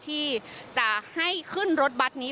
ที่จะให้ขึ้นรถบัตรนี้